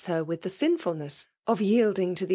Im with tbe flinfulnes9 of yioLding to •the!